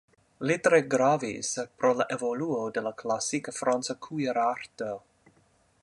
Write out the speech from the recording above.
Li tre gravis por la evoluo de la klasika franca kuirarto.